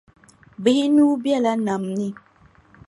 Bihi nuu bela nam ni.